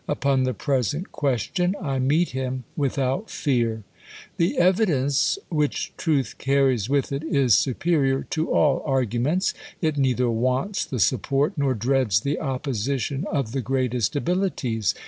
Upon the present question, I meet him without fear. The evidence, which truth carries with it, is supe rior to all argun)cnts ; it neither wants the support, noi dreads the opposition of the greatest abilities.